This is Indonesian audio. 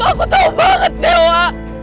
aku tau banget dewa